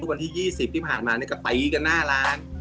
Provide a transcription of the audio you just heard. วันที่๒๐ที่ผ่านมาก็ตีกันหน้าร้าน